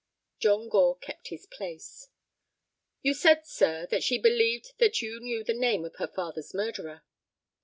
John Gore kept his place. "You said, sir, that she believed that you knew the name of her father's murderer."